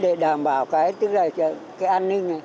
để đảm bảo cái an ninh này